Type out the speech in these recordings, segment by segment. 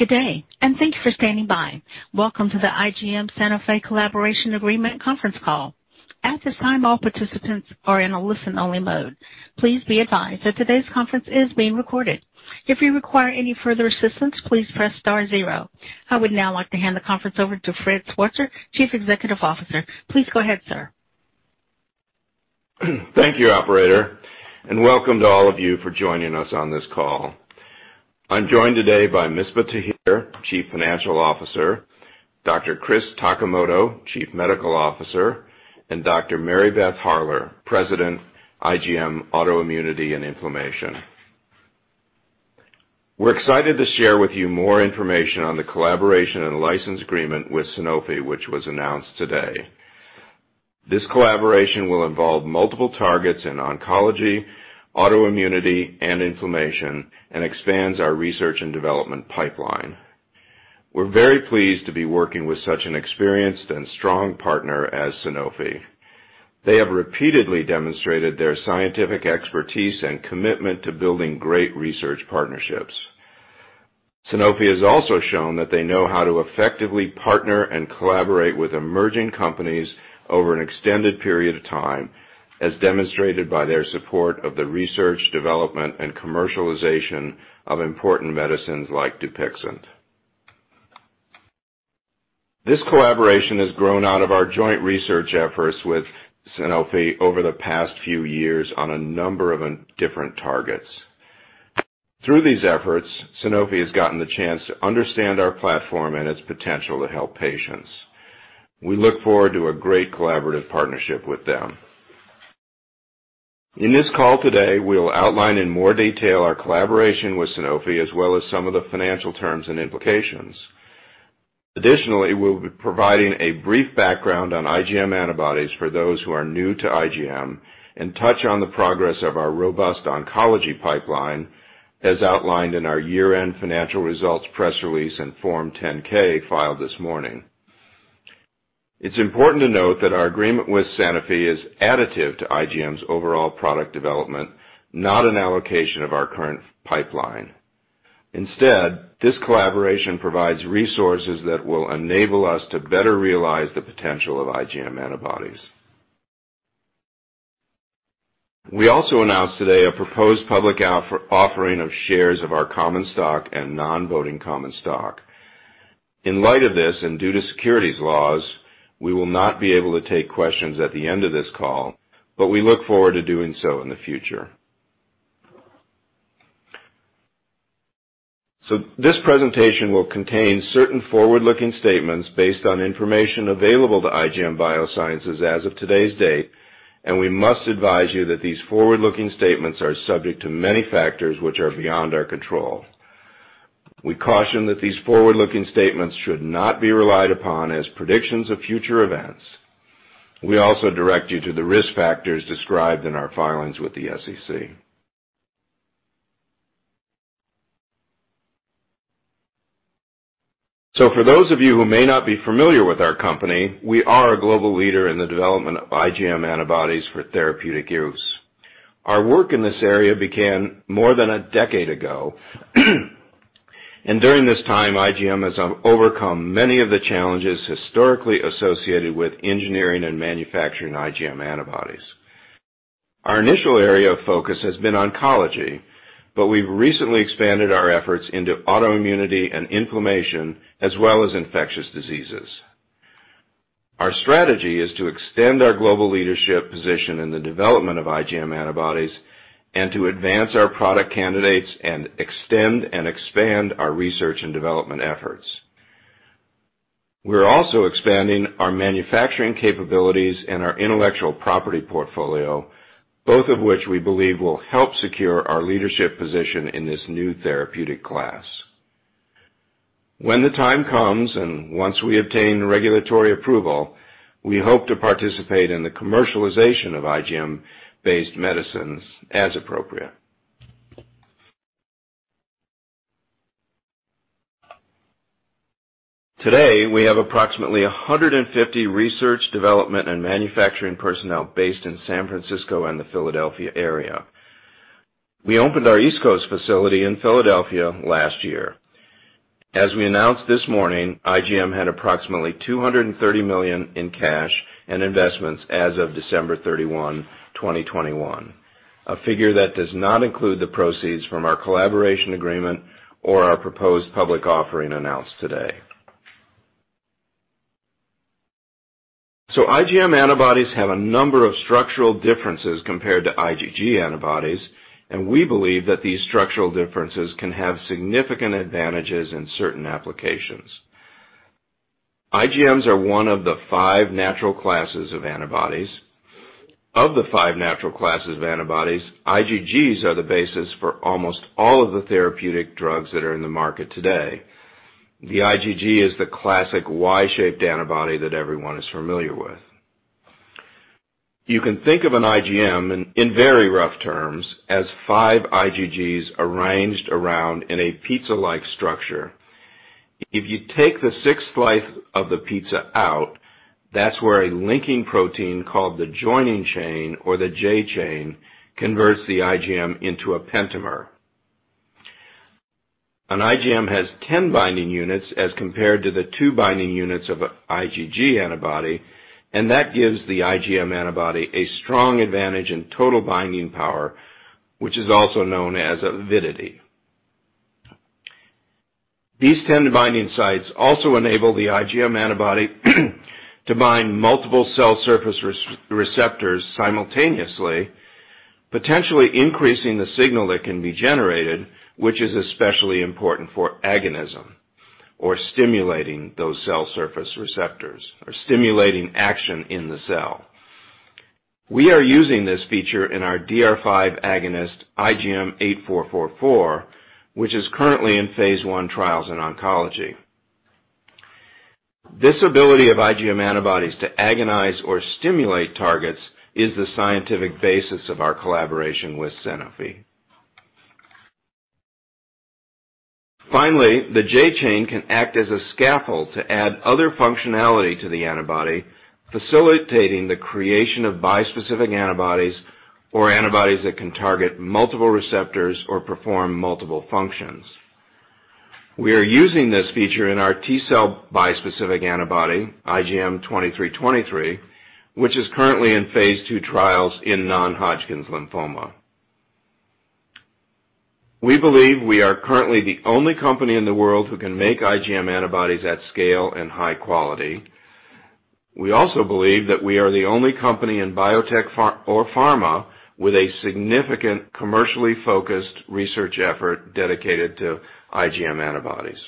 Good day, and thank you for standing by. Welcome to the IGM Sanofi Collaboration Agreement conference call. At this time, all participants are in a listen-only mode. Please be advised that today's conference is being recorded. If you require any further assistance, please press star zero. I would now like to hand the conference over to Fred Schwarzer, Chief Executive Officer. Please go ahead, sir. Thank you, operator, and welcome to all of you for joining us on this call. I'm joined today by Misbah Tahir, Chief Financial Officer, Dr. Chris Takimoto, Chief Medical Officer, and Dr. Mary Beth Harler, President, IGM Autoimmunity and Inflammation. We're excited to share with you more information on the collaboration and license agreement with Sanofi, which was announced today. This collaboration will involve multiple targets in oncology, autoimmunity, and inflammation, and expands our research and development pipeline. We're very pleased to be working with such an experienced and strong partner as Sanofi. They have repeatedly demonstrated their scientific expertise and commitment to building great research partnerships. Sanofi has also shown that they know how to effectively partner and collaborate with emerging companies over an extended period of time, as demonstrated by their support of the research, development, and commercialization of important medicines like Dupixent. This collaboration has grown out of our joint research efforts with Sanofi over the past few years on a number of different targets. Through these efforts, Sanofi has gotten the chance to understand our platform and its potential to help patients. We look forward to a great collaborative partnership with them. In this call today, we'll outline in more detail our collaboration with Sanofi as well as some of the financial terms and implications. Additionally, we'll be providing a brief background on IgM antibodies for those who are new to IGM and touch on the progress of our robust oncology pipeline, as outlined in our year-end financial results press release and Form 10-K filed this morning. It's important to note that our agreement with Sanofi is additive to IGM's overall product development, not an allocation of our current pipeline. Instead, this collaboration provides resources that will enable us to better realize the potential of IgM antibodies. We also announced today a proposed public offering of shares of our common stock and non-voting common stock. In light of this, and due to securities laws, we will not be able to take questions at the end of this call, but we look forward to doing so in the future. This presentation will contain certain forward-looking statements based on information available to IGM Biosciences as of today's date, and we must advise you that these forward-looking statements are subject to many factors which are beyond our control. We caution that these forward-looking statements should not be relied upon as predictions of future events. We also direct you to the risk factors described in our filings with the SEC. For those of you who may not be familiar with our company, we are a global leader in the development of IgM antibodies for therapeutic use. Our work in this area began more than a decade ago, and during this time, IGM has overcome many of the challenges historically associated with engineering and manufacturing IgM antibodies. Our initial area of focus has been oncology, but we've recently expanded our efforts into autoimmunity and inflammation as well as infectious diseases. Our strategy is to extend our global leadership position in the development of IgM antibodies and to advance our product candidates and extend and expand our research and development efforts. We're also expanding our manufacturing capabilities and our intellectual property portfolio, both of which we believe will help secure our leadership position in this new therapeutic class. When the time comes, and once we obtain regulatory approval, we hope to participate in the commercialization of IGM-based medicines as appropriate. Today, we have approximately 150 research, development, and manufacturing personnel based in San Francisco and the Philadelphia area. We opened our East Coast facility in Philadelphia last year. As we announced this morning, IGM had approximately $230 million in cash and investments as of December 31, 2021, a figure that does not include the proceeds from our collaboration agreement or our proposed public offering announced today. IgM antibodies have a number of structural differences compared to IgG antibodies, and we believe that these structural differences can have significant advantages in certain applications. IGMs are one of the five natural classes of antibodies. Of the five natural classes of antibodies, IgGs are the basis for almost all of the therapeutic drugs that are in the market today. The IgG is the classic Y-shaped antibody that everyone is familiar with. You can think of an IGM, in very rough terms, as five IgGs arranged around in a pizza-like structure. If you take the sixth slice of the pizza out, that's where a linking protein called the joining chain or the J-chain converts the IGM into a pentamer. An IGM has 10 binding units as compared to the two binding units of IgG antibody, and that gives the IgM antibody a strong advantage in total binding power, which is also known as avidity. These 10 binding sites also enable the IgM antibody to bind multiple cell surface receptors simultaneously, potentially increasing the signal that can be generated, which is especially important for agonism or stimulating those cell surface receptors or stimulating action in the cell. We are using this feature in our DR5 agonist IGM-8444, which is currently in phase I trials in oncology. This ability of IgM antibodies to agonize or stimulate targets is the scientific basis of our collaboration with Sanofi. Finally, the J-chain can act as a scaffold to add other functionality to the antibody, facilitating the creation of bispecific antibodies or antibodies that can target multiple receptors or perform multiple functions. We are using this feature in our T-cell bispecific antibody, IGM-2323, which is currently in phase II trials in non-Hodgkin's lymphoma. We believe we are currently the only company in the world who can make IgM antibodies at scale and high quality. We also believe that we are the only company in biotech or pharma with a significant commercially focused research effort dedicated to IgM antibodies.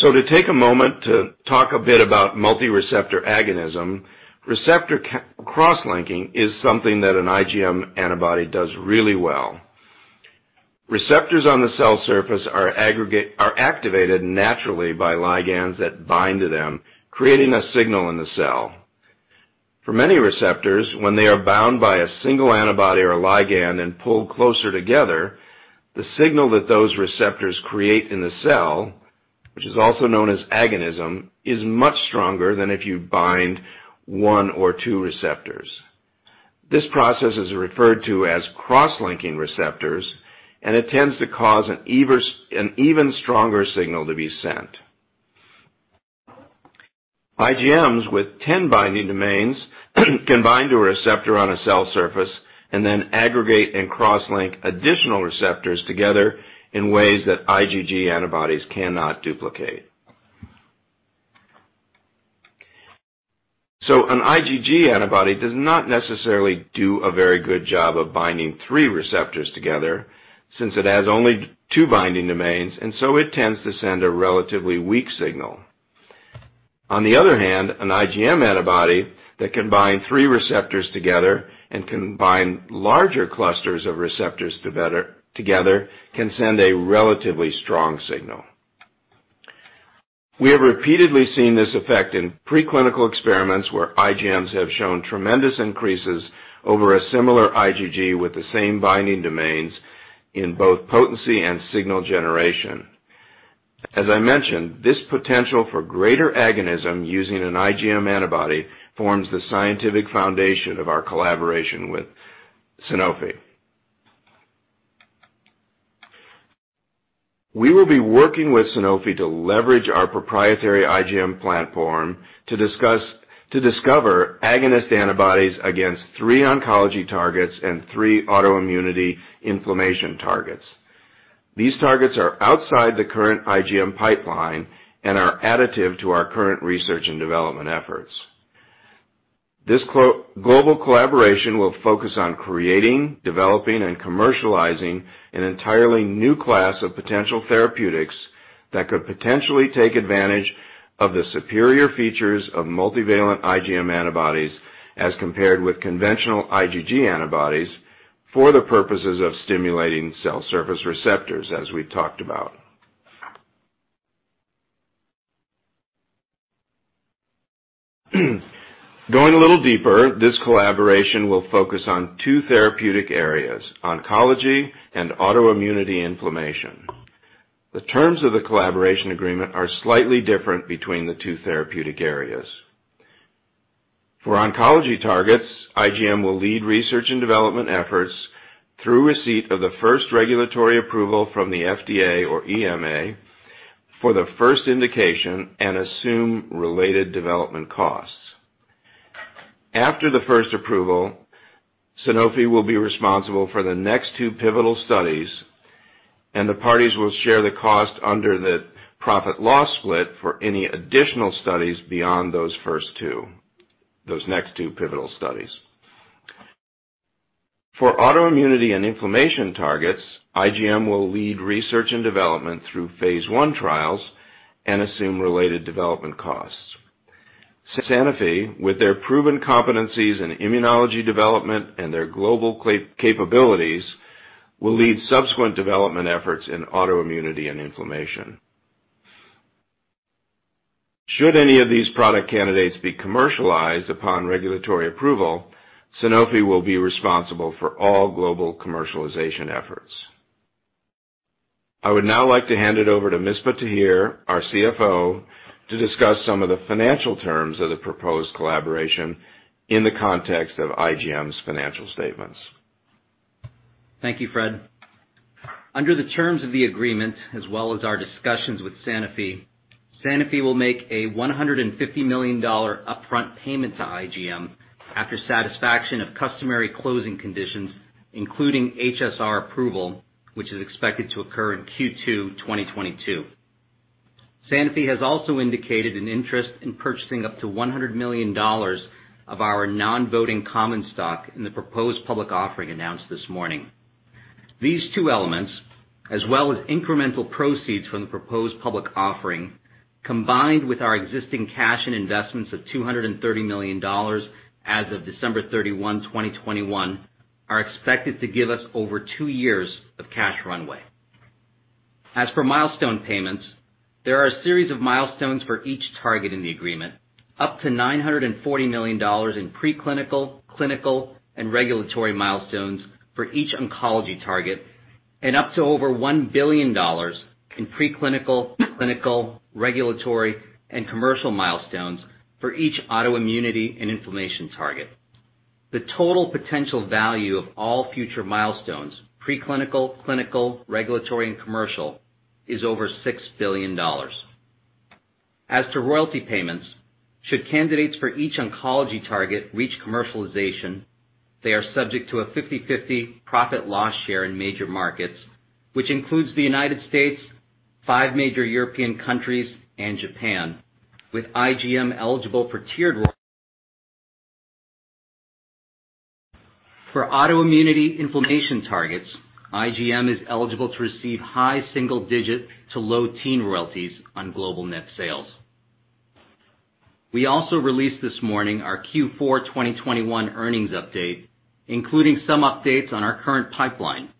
To take a moment to talk a bit about multi-receptor agonism, receptor cross-linking is something that an IgM antibody does really well. Receptors on the cell surface are activated naturally by ligands that bind to them, creating a signal in the cell. For many receptors, when they are bound by a single antibody or a ligand and pulled closer together, the signal that those receptors create in the cell, which is also known as agonism, is much stronger than if you bind one or two receptors. This process is referred to as cross-linking receptors, and it tends to cause an even stronger signal to be sent. IGMs with 10 binding domains can bind to a receptor on a cell surface and then aggregate and cross-link additional receptors together in ways that IgG antibodies cannot duplicate. An IgG antibody does not necessarily do a very good job of binding three receptors together since it has only two binding domains, and so it tends to send a relatively weak signal. On the other hand, an IgM antibody that can bind three receptors together and can bind larger clusters of receptors together can send a relatively strong signal. We have repeatedly seen this effect in pre-clinical experiments, where IGMs have shown tremendous increases over a similar IgG with the same binding domains in both potency and signal generation. As I mentioned, this potential for greater agonism using an IgM antibody forms the scientific foundation of our collaboration with Sanofi. We will be working with Sanofi to leverage our proprietary IGM platform to discover agonist antibodies against three oncology targets and three autoimmunity inflammation targets. These targets are outside the current IGM pipeline and are additive to our current research and development efforts. This global collaboration will focus on creating, developing, and commercializing an entirely new class of potential therapeutics that could potentially take advantage of the superior features of multivalent IgM antibodies as compared with conventional IgG antibodies for the purposes of stimulating cell surface receptors as we've talked about. Going a little deeper, this collaboration will focus on two therapeutic areas, oncology and autoimmunity inflammation. The terms of the collaboration agreement are slightly different between the two therapeutic areas. For oncology targets, IGM will lead research and development efforts through receipt of the first regulatory approval from the FDA or EMA for the first indication and assume related development costs. After the first approval, Sanofi will be responsible for the next two pivotal studies, and the parties will share the cost under the profit loss split for any additional studies beyond those first two, those next two pivotal studies. For autoimmunity and inflammation targets, IGM will lead research and development through phase I trials and assume related development costs. Sanofi, with their proven competencies in immunology development and their global capabilities, will lead subsequent development efforts in autoimmunity and inflammation. Should any of these product candidates be commercialized upon regulatory approval, Sanofi will be responsible for all global commercialization efforts. I would now like to hand it over to Misbah Tahir, our CFO, to discuss some of the financial terms of the proposed collaboration in the context of IGM's financial statements. Thank you, Fred. Under the terms of the agreement, as well as our discussions with Sanofi will make a $150 million upfront payment to IGM after satisfaction of customary closing conditions, including HSR approval, which is expected to occur in Q2 2022. Sanofi has also indicated an interest in purchasing up to $100 million of our non-voting common stock in the proposed public offering announced this morning. These two elements, as well as incremental proceeds from the proposed public offering, combined with our existing cash and investments of $230 million as of December 31, 2021, are expected to give us over two years of cash runway. As for milestone payments, there are a series of milestones for each target in the agreement, up to $940 million in preclinical, clinical, and regulatory milestones for each oncology target, and up to over $1 billion in preclinical, clinical, regulatory, and commercial milestones for each autoimmunity and inflammation target. The total potential value of all future milestones, preclinical, clinical, regulatory, and commercial, is over $6 billion. As to royalty payments, should candidates for each oncology target reach commercialization, they are subject to a 50/50 profit/loss share in major markets, which includes the United States, five major European countries, and Japan, with IGM eligible for tiered royalties. For autoimmunity inflammation targets, IGM is eligible to receive high single digit to low teen royalties on global net sales. We also released this morning our Q4 2021 earnings update, including some updates on our current pipeline.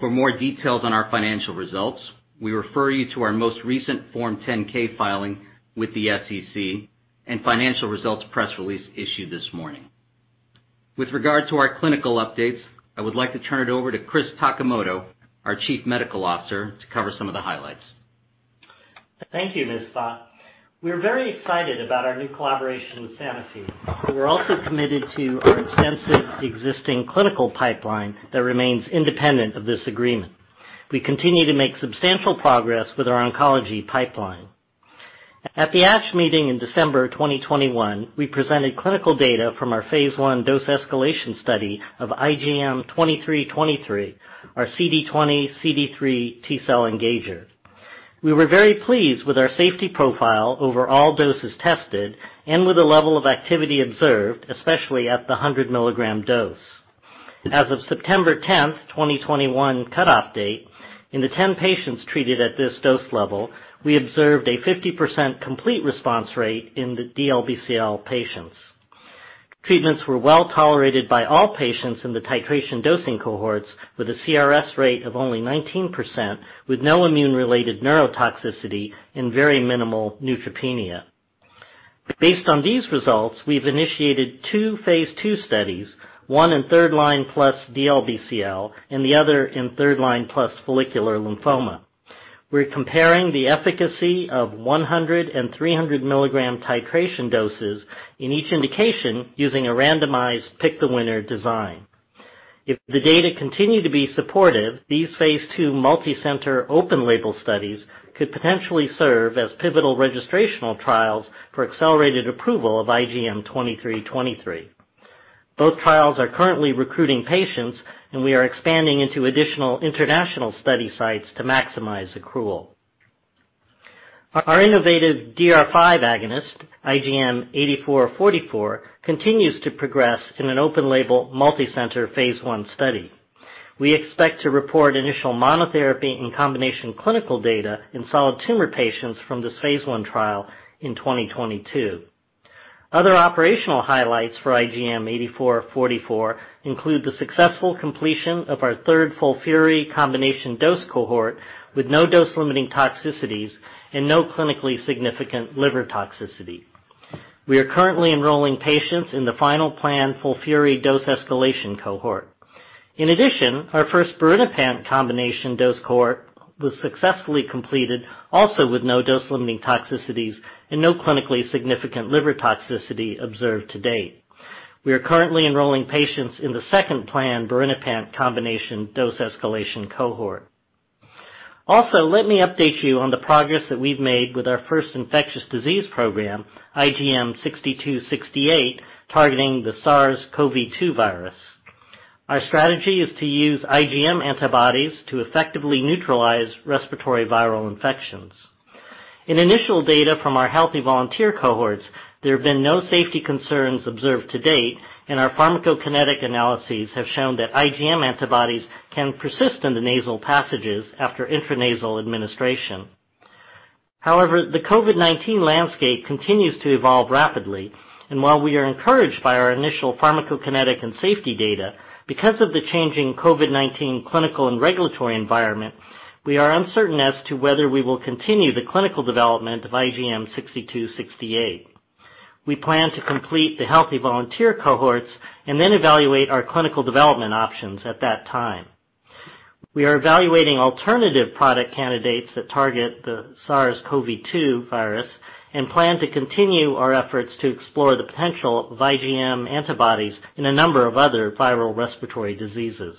For more details on our financial results, we refer you to our most recent Form 10-K filing with the SEC and financial results press release issued this morning. With regard to our clinical updates, I would like to turn it over to Chris Takimoto, our Chief Medical Officer, to cover some of the highlights. Thank you, Misbah. We're very excited about our new collaboration with Sanofi, but we're also committed to our extensive existing clinical pipeline that remains independent of this agreement. We continue to make substantial progress with our oncology pipeline. At the ASH meeting in December 2021, we presented clinical data from our phase I dose escalation study of IGM-2323, our CD20/CD3 T-cell engager. We were very pleased with our safety profile over all doses tested and with the level of activity observed, especially at the 100 mg dose. As of September 10th, 2021 cutoff date, in the 10 patients treated at this dose level, we observed a 50% complete response rate in the DLBCL patients. Treatments were well tolerated by all patients in the titration dosing cohorts, with a CRS rate of only 19%, with no immune-related neurotoxicity and very minimal neutropenia. Based on these results, we've initiated two phase II studies, one in third-line plus DLBCL and the other in third-line plus follicular lymphoma. We're comparing the efficacy of 100 and 300 mg, titration doses in each indication using a randomized pick-the-winner design. If the data continue to be supportive, these phase II multicenter open-label studies could potentially serve as pivotal registrational trials for accelerated approval of IGM-2323. Both trials are currently recruiting patients, and we are expanding into additional international study sites to maximize accrual. Our innovative DR5 agonist, IGM-8444, continues to progress in an open-label multicenter phase I study. We expect to report initial monotherapy and combination clinical data in solid tumor patients from this phase I trial in 2022. Other operational highlights for IGM-8444 include the successful completion of our third FOLFIRI combination dose cohort with no dose-limiting toxicities and no clinically significant liver toxicity. We are currently enrolling patients in the final planned FOLFIRI dose escalation cohort. In addition, our first birinapant combination dose cohort was successfully completed also with no dose-limiting toxicities and no clinically significant liver toxicity observed to date. We are currently enrolling patients in the second planned birinapant combination dose escalation cohort. Also, let me update you on the progress that we've made with our first infectious disease program, IGM-6268, targeting the SARS-CoV-2 virus. Our strategy is to use IgM antibodies to effectively neutralize respiratory viral infections. In initial data from our healthy volunteer cohorts, there have been no safety concerns observed to date, and our pharmacokinetic analyses have shown that IgM antibodies can persist in the nasal passages after intranasal administration. However, the COVID-19 landscape continues to evolve rapidly. While we are encouraged by our initial pharmacokinetic and safety data, because of the changing COVID-19 clinical and regulatory environment, we are uncertain as to whether we will continue the clinical development of IGM-6268. We plan to complete the healthy volunteer cohorts and then evaluate our clinical development options at that time. We are evaluating alternative product candidates that target the SARS-CoV-2 virus and plan to continue our efforts to explore the potential of IgM antibodies in a number of other viral respiratory diseases.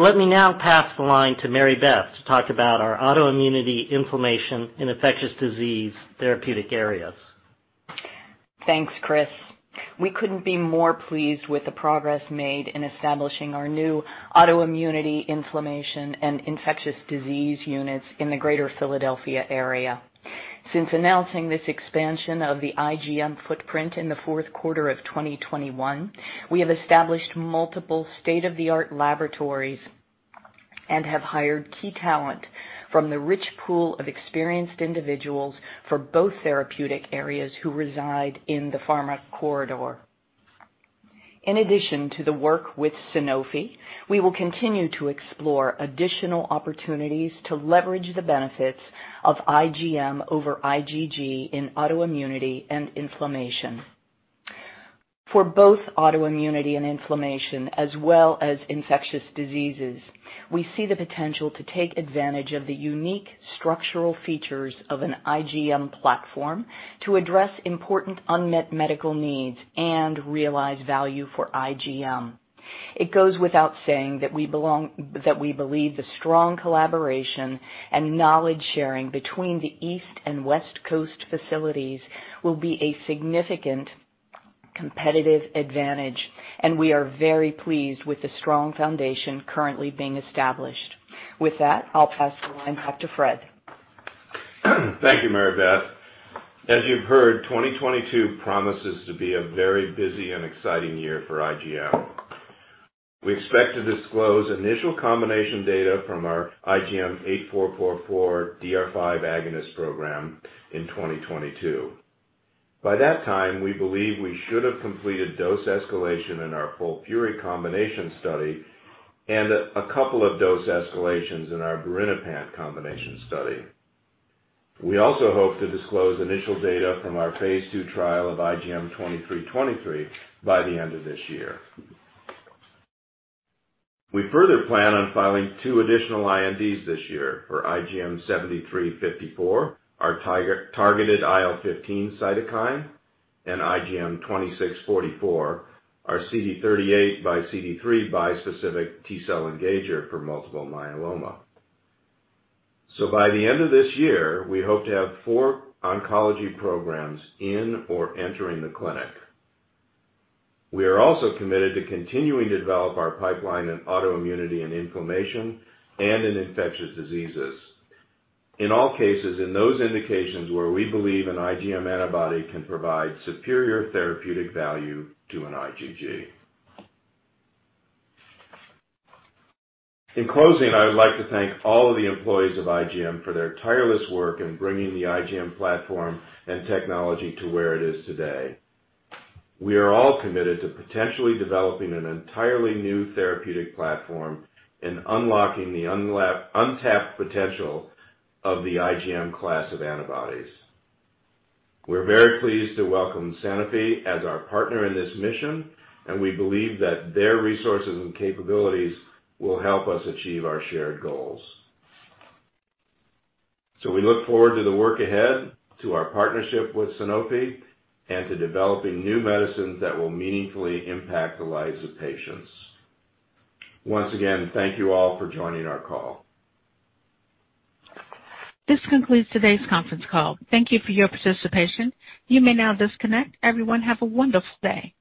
Let me now pass the line to Mary Beth to talk about our autoimmunity, inflammation, and infectious disease therapeutic areas. Thanks, Chris. We couldn't be more pleased with the progress made in establishing our new autoimmunity, inflammation, and infectious disease units in the Greater Philadelphia area. Since announcing this expansion of the IgM footprint in the fourth quarter of 2021, we have established multiple state-of-the-art laboratories and have hired key talent from the rich pool of experienced individuals for both therapeutic areas who reside in the pharma corridor. In addition to the work with Sanofi, we will continue to explore additional opportunities to leverage the benefits of IGM over IgG in autoimmunity and inflammation. For both autoimmunity and inflammation, as well as infectious diseases, we see the potential to take advantage of the unique structural features of an IGM platform to address important unmet medical needs and realize value for IGM. It goes without saying that we believe the strong collaboration and knowledge-sharing between the East Coast and West Coast facilities will be a significant competitive advantage, and we are very pleased with the strong foundation currently being established. With that, I'll pass the line back to Fred. Thank you, Mary Beth. As you've heard, 2022 promises to be a very busy and exciting year for IGM. We expect to disclose initial combination data from our IGM-8444 DR5 agonist program in 2022. By that time, we believe we should have completed dose escalation in our FOLFIRI combination study and a couple of dose escalations in our birinapant combination study. We also hope to disclose initial data from our phase II trial of IGM-2323 by the end of this year. We further plan on filing two additional INDs this year for IGM-7354, our targeted IL-15 cytokine, and IGM-2644, our CD38 x CD3 bispecific T-cell engager for multiple myeloma. By the end of this year, we hope to have four oncology programs in or entering the clinic. We are also committed to continuing to develop our pipeline in autoimmunity and inflammation and in infectious diseases. In all cases, in those indications where we believe an IgM antibody can provide superior therapeutic value to an IgG. In closing, I would like to thank all of the employees of IGM for their tireless work in bringing the IGM platform and technology to where it is today. We are all committed to potentially developing an entirely new therapeutic platform and unlocking the untapped potential of the IGM class of antibodies. We're very pleased to welcome Sanofi as our partner in this mission, and we believe that their resources and capabilities will help us achieve our shared goals. We look forward to the work ahead, to our partnership with Sanofi, and to developing new medicines that will meaningfully impact the lives of patients. Once again, thank you all for joining our call. This concludes today's conference call. Thank you for your participation. You may now disconnect. Everyone have a wonderful day.